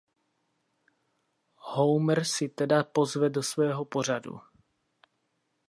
Homer si Teda pozve do svého pořadu.